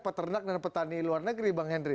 peternak dan petani luar negeri bang henry